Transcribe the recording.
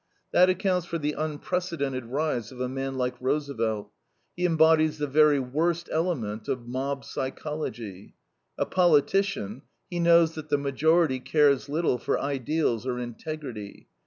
That accounts for the unprecedented rise of a man like Roosevelt. He embodies the very worst element of mob psychology. A politician, he knows that the majority cares little for ideals or integrity.